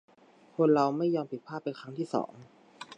คนเราไม่ยอมผิดพลาดเป็นครั้งที่สอง